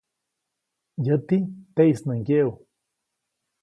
Yäti, teʼis nä ŋgyeʼu.